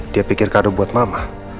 dia pikir kado buat mama